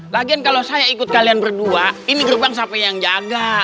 lagian kalau saya ikut kalian berdua ini gerbang sampai yang jaga